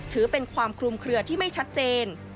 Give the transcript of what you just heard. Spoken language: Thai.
ถือเป็นความคลุมเคลือที่ไม่ชัดเจน